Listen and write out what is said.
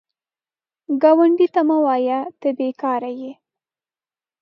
ګاونډي ته مه وایه “ته بېکاره یې”